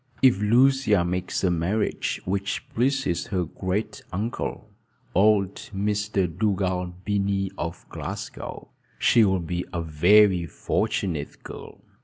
"If Lucia makes a marriage which pleases her great uncle, old Mr. Dugald Binnie, of Glasgow, she will be a very fortunate girl.